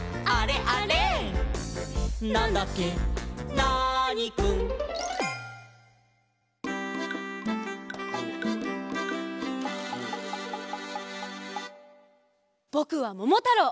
ナーニくん」ぼくはももたろう！